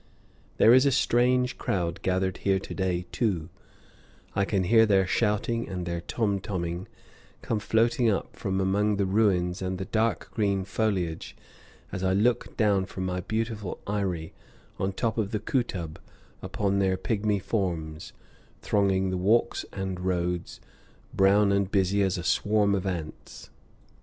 There is a strange crowd gathered here to day, too; I can hear their shouting and their tom toming come floating up from among the ruins and the dark green foliage as I look down from my beautiful eyrie on top of the Kootub upon their pygmy forms, thronging the walks and roads, brown and busy as swarms of ants.